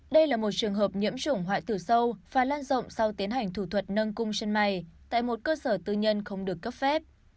đây là một trường hợp nhiễm chủng hoại tử sâu và lan rộng sau tiến hành thủ thuật nâng cung sân bay tại một cơ sở tư nhân không được cấp phép